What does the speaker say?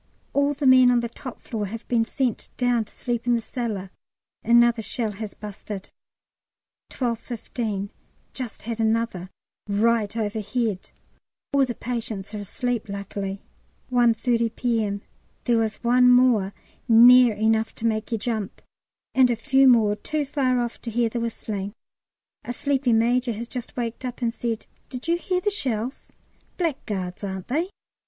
All the men on the top floor have been sent down to sleep in the cellar; another shell has busted. 12.15. Just had another, right overhead; all the patients are asleep, luckily. 1.30 P.M. There was one more, near enough to make you jump, and a few more too far off to hear the whistling. A sleepy major has just waked up and said, "Did you hear the shells? Blackguards, aren't they?"